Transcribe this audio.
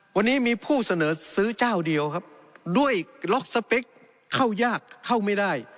วันนี้มีผู้เสนอซื้อเจ้าเดียวครับด้วยล็อกสเปคเข้ายากเข้าไม่ได้